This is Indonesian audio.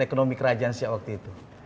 ekonomi kerajaan siap waktu itu